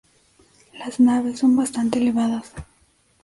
Las naves son bastante elevadas.